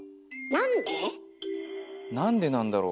なんでなんだろう？